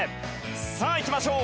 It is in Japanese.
さあいきましょう。